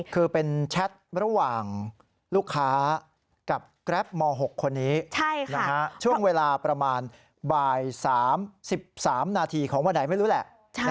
คือเป็นแชทระหว่างลูกค้ากับแกรปม๖คนนี้ช่วงเวลาประมาณบ่าย๓๓นาทีของวันไหนไม่รู้แหละ